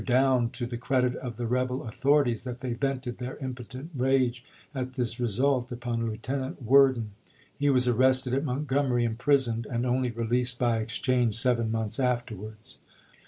' dound to the credit of the rebel authorities that they vented their impotent rage at this result upon Lieutenant Worden. He was arrested at Montgom ery, imprisoned, and only released by exchange seven months afterwards. 14 ABEAHAM LINCOLN Chap. I.